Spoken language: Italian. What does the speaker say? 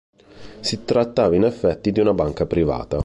Si trattava in effetti di una banca privata.